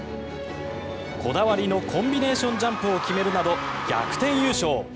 こだわりのコンビネーションジャンプを決めるなど、逆転優勝。